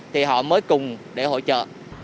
thì họ mới cùng để hỗ trợ